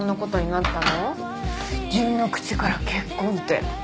純の口から結婚って。